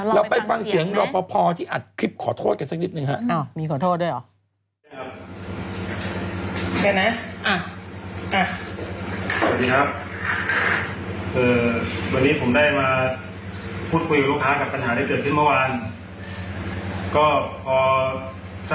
เราไปฟังเสียงรอปภที่อัดคลิปขอโทษกันสักนิดหนึ่งครับ